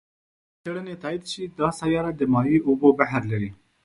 که اوسنۍ څېړنې تایید شي، دا سیاره د مایع اوبو بحر لري.